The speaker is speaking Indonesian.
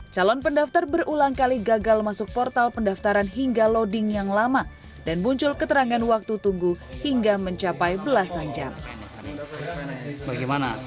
calon pendaftar berulang kali gagal masuk portal pendaftaran hingga loading yang lama dan muncul keterangan waktu tunggu hingga mencapai belasan jam